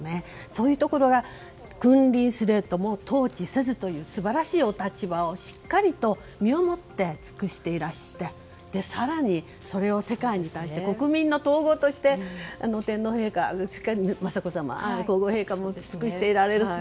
そういうところが君臨すれども統治せずという素晴らしいお立場をしっかりと身をもって尽くしていらして更にそれを世界に対して国民の統合として天皇陛下にしっかり雅子さま、皇后陛下も尽くしていられる姿